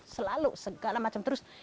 selalu segala macam terus